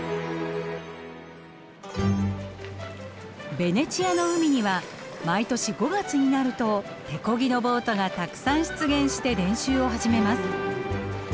ベネチアの海には毎年５月になると手漕ぎのボートがたくさん出現して練習を始めます。